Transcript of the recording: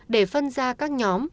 để phân ra các nhóm